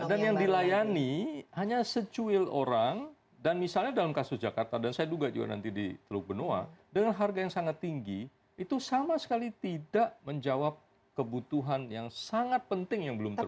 dan yang dilayani hanya secuil orang dan misalnya dalam kasus jakarta dan saya juga juga nanti di teluk benoa dengan harga yang sangat tinggi itu sama sekali tidak menjawab kebutuhan yang sangat penting yang belum terpenuhi